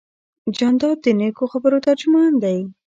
جانداد د نیکو خبرو ترجمان دی.